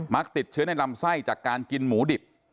ติดเชื้อในลำไส้จากการกินหมูดิบ